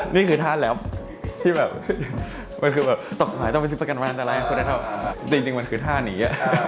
นี่คือท่าแร็ปต่อก่อนไปต้องไปซึกประกันแว่นแต่ละอย่างคือท่านี้